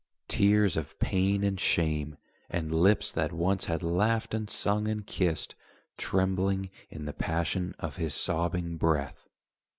Tears of pain and shame, And lips that once had laughed and sung and kissed Trembling in the passion of his sobbing breath!